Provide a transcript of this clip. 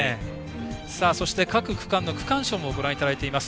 そして、各区間の区間賞もご覧いただいています。